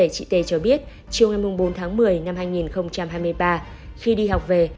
chị t cho biết chiều ngày bốn tháng một mươi năm hai nghìn hai mươi ba khi đi học về